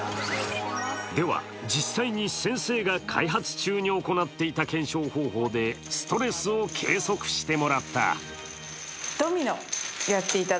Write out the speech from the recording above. では実際に先生が開発中に行っていた検証方法でストレスを計測してもらった。